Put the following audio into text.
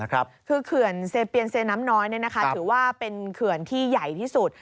คือเขื่อนเซเปียนเซน้ำน้อยถือว่าเป็นเขื่อนที่ใหญ่ที่สุด